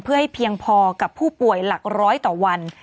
เพื่อให้เพียงพอกับผู้ป่วยหลักร้อยต่อวัน